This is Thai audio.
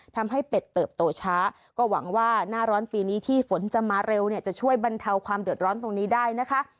เป็ดเติบโตช้าก็หวังว่าหน้าร้อนปีนี้ที่ฝนจะมาเร็วเนี่ยจะช่วยบรรเทาความเดือดร้อนตรงนี้ได้นะคะ